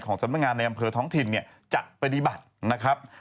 สำนักงานในอำเภอท้องถิ่นเนี่ยจะปฏิบัตินะครับ